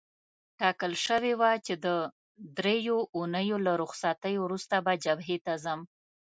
ټاکل شوې وه چې د دریو اونیو له رخصتۍ وروسته به جبهې ته ځم.